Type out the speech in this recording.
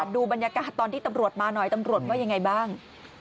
ดูบรรยากาศตอนที่ตำรวจมาหน่อยตำรวจว่ายังไงบ้าง